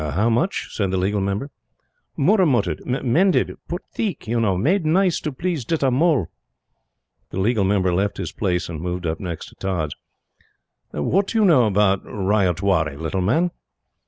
"How much?" said the Legal Member. "Murramutted mended. Put theek, you know made nice to please Ditta Mull!" The Legal Member left his place and moved up next to Tods. "What do you know about Ryotwari, little man?"